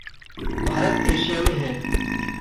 Bharat Asia में है।